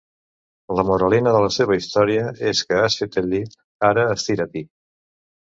La moralina de la seva història és que has fet el llit, ara estira-t'hi.